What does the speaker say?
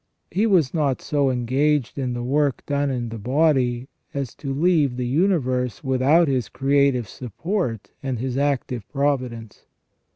He was not so engaged in the work done in the body as to leave the universe without His creative support and His active providence.